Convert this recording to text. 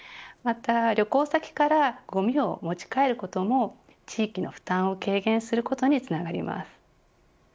また、旅行先からごみを持ち帰ることも地域の負担を軽減することにつながります。